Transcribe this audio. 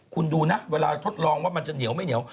คุณดูนะเวลาทดลองว่ามันจะเหนียวไม่เหนียว